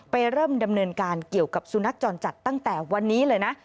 เริ่มดำเนินการเกี่ยวกับสุนัขจรจัดตั้งแต่วันนี้เลยนะ